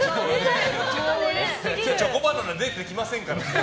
今日チョコバナナ出てきませんから。